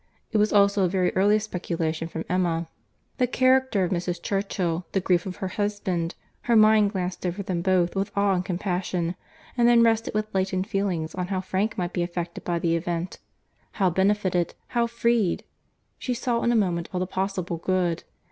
It was also a very early speculation with Emma. The character of Mrs. Churchill, the grief of her husband—her mind glanced over them both with awe and compassion—and then rested with lightened feelings on how Frank might be affected by the event, how benefited, how freed. She saw in a moment all the possible good.